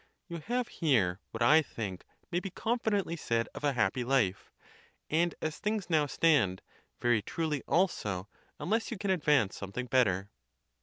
You have here what I think may be con fidently said of a happy life; and as things now stand, very truly also, unless you can advance something better.